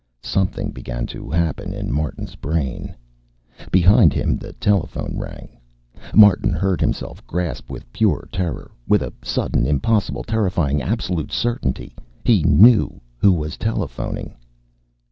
Something began to happen in Martin's brain.... Behind him, the telephone rang. Martin heard himself gasp with pure terror. With a sudden, impossible, terrifying, absolute certainty he knew who was telephoning.